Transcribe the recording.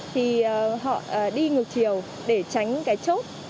thì họ đi ngược chiều để tránh cái chốt